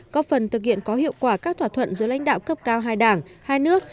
có phần thực hiện có hiệu quả các thỏa thuận giữa lãnh đạo cấp cao hai đảng hai nước